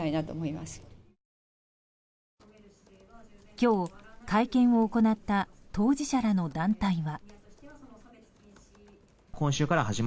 今日会見を行った当事者らの団体は。